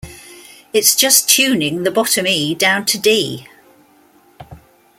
It's just tuning the bottom E down to D!